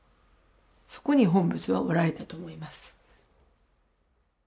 そこに本仏はおられたと思います。